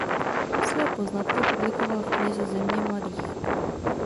Své poznatky publikoval v knize "Země mladých".